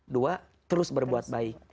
dua terus berbuat baik